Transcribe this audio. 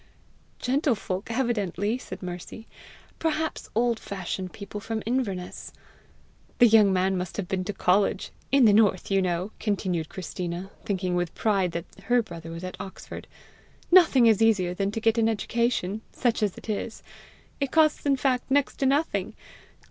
"Gentlefolk evidently," said Mercy, " perhaps old fashioned people from Inverness." "The young man must have been to college! In the north, you know," continued Christina, thinking with pride that her brother was at Oxford, "nothing is easier than to get an education, such as it is! It costs in fact next to nothing.